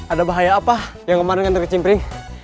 ada bahaya apa yang kemarin kena kecimpring